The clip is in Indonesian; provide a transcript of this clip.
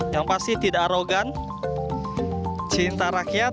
yang pasti tidak arogan cinta rakyat